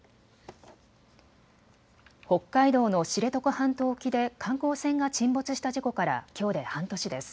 北海道の知床半島沖で観光船が沈没した事故からきょうで半年です。